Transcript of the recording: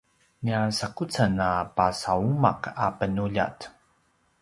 nia sakucen a pasauma’ a penuljat